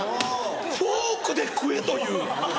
フォークで食えという。